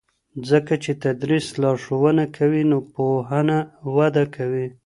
ځکه چې تدریس لارښوونه کوي نو پوهنه وده کوي.